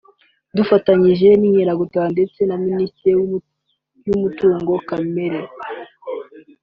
Dufanyije n’inkeragutabara ndetse na Minisiteri y’umutungo kamere[